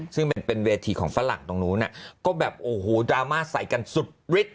ซึ่งเป็นเวทีของฝรั่งตรงนู้นก็แบบโอ้โหดราม่าใส่กันสุดฤทธิ